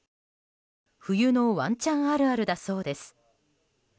冬のワンちゃんあるあるだそうです。